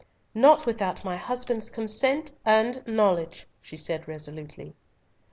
"Not without my husband's consent and knowledge," she said resolutely.